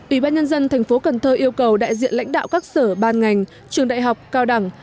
ủy ban nhân dân thành phố cần thơ yêu cầu đại diện lãnh đạo các sở ban ngành trường đại học cao đẳng